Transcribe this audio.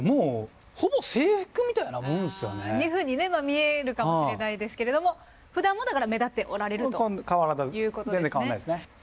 ふうに見えるかもしれないですけれどもふだんもだから目立っておられるということですね。